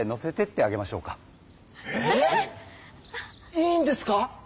いいんですか？